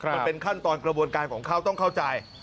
มันเป็นขั้นตอนกระบวนการของเขาต้องเข้าใจ